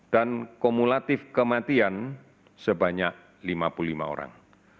dan kumulatif kematian sebanyak lima puluh lima orang